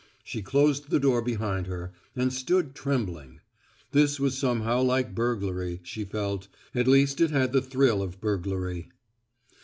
She closed the door behind her, and stood trembling; this was somehow like burglary, she felt at least it had the thrill of burglary.